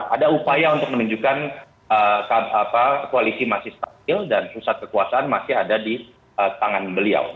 ada upaya untuk menunjukkan koalisi masih stabil dan pusat kekuasaan masih ada di tangan beliau